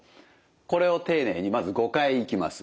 これを丁寧にまず５回いきます。